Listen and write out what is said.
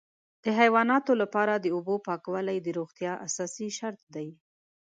د حیواناتو لپاره د اوبو پاکوالی د روغتیا اساسي شرط دی.